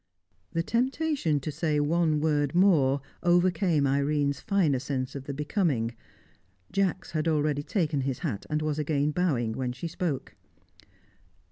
The temptation to say one word more overcame Irene's finer sense of the becoming. Jacks had already taken his hat, and was again bowing, when she spoke.